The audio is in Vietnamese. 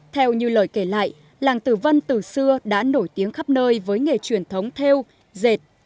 theo như lời kể lại làng tử vân từ xưa đã nổi tiếng khắp nơi với nghề truyền thống theo dệt